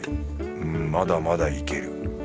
んまだまだいける。